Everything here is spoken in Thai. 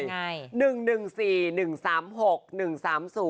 ยังไง